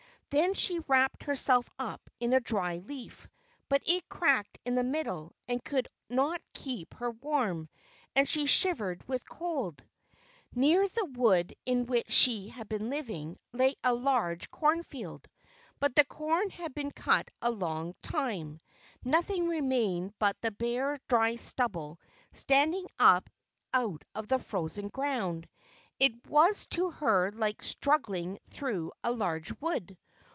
Then she wrapped herself up in a dry leaf, but it cracked in the middle and could not keep her warm, and she shivered with cold. Near the wood in which she had been living lay a large corn field, but the corn had been cut a long time; nothing remained but the bare dry stubble standing up out of the frozen ground. It was to her like struggling through a large wood.